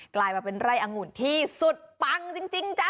กลายมาเป็นไร่อังุ่นที่สุดปังจริงจ๊ะ